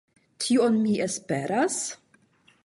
Tion mi esperas?